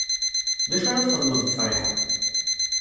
D acu ara txedmeḍ deg Friḥa?